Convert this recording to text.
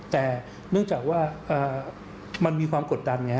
แต่เนื่องจากว่ามันมีความกดดันไง